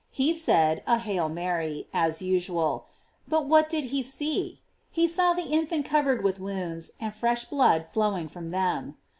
He said a "Hail Mary," as usual ; but what did he see ? He saw the infant cover ed with wounds, and fresh blood flowing from them.